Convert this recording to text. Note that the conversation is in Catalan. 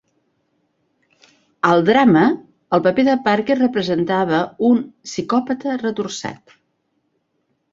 Al drama, el paper de Parker representava un "psicòpata retorçat".